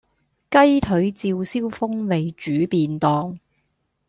雞腿照燒風味煮便當